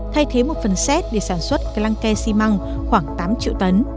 thay thế một phần xét để sản xuất glanke xi măng khoảng tám triệu tấn